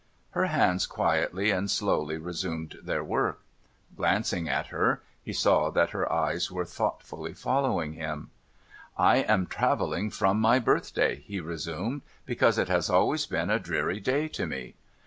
Her hands quietly and slowly resumed their work. Glancing at her, he saw that her eyes were thoughtfully following them. * I am travelling from my birthday,' he resumed, ' because it has always been a dreary day to me.